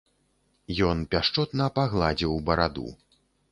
Ён пяшчотна пагладзіў бараду.